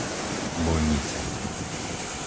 Bojnice